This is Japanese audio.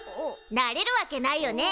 なれるわけないよね。